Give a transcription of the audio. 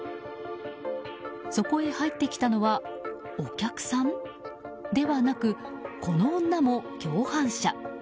そこへ入ってきたのはお客さん？ではなく、この女も共犯者。